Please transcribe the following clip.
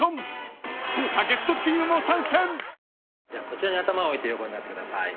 こちらに頭を置いて横になってください。